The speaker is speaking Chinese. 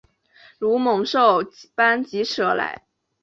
如猛兽般疾驶而来